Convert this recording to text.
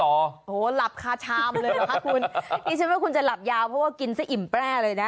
โอ้โหหลับคาชามเลยเหรอคะคุณดิฉันว่าคุณจะหลับยาวเพราะว่ากินซะอิ่มแปรเลยนะ